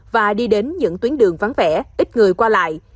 và đi đến những tuyến đường vắng vẻ ít người qua lại